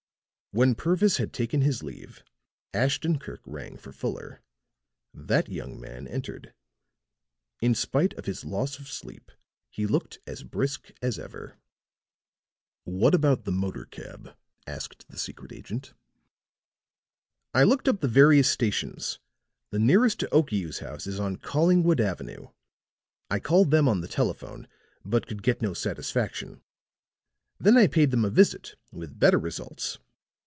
When Purvis had taken his leave, Ashton Kirk rang for Fuller. That young man entered; in spite of his loss of sleep he looked as brisk as ever. "What about the motor cab?" asked the secret agent. "I looked up the various stations. The nearest to Okiu's house is on Collingwood Avenue. I called them on the telephone, but could get no satisfaction. Then I paid them a visit, with better results.